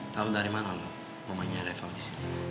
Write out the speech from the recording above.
tau dari mana lo mamanya reva disini